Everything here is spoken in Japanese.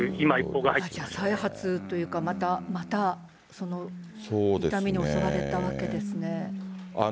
再発というか、またその、痛みに襲われたわけですね。